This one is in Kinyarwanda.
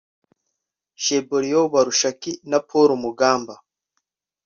Cheborion Barishaki na Paul Mugamba